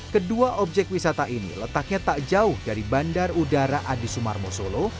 kedua objek wisata ini letaknya tak jauh dari bandar udara adi sumarmo solo